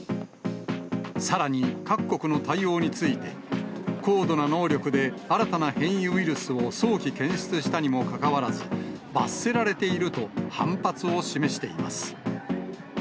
さらに、各国の対応について、高度な能力で新たな変異ウイルスを早期検出したにもかかわらず、罰せられていると反発を示しています。